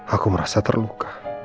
aku merasa terluka